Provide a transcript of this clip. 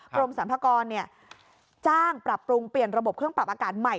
กรมสรรพากรจ้างปรับปรุงเปลี่ยนระบบเครื่องปรับอากาศใหม่